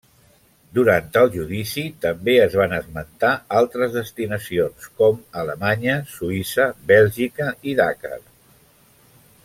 Durant el judici també es van esmentar altres destinacions com Alemanya, Suïssa, Bèlgica i Dakar.